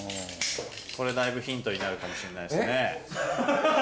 これだいぶヒントになるかもしんないですね。